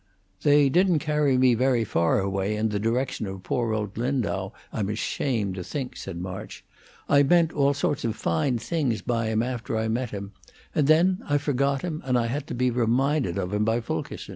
"They didn't carry me very far away in the direction of poor old Lindau, I'm ashamed to think," said March. "I meant all sorts of fine things by him after I met him; and then I forgot him, and I had to be reminded of him by Fulkerson."